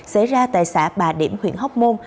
xảy ra tại xã bà điểm huyện hóc môn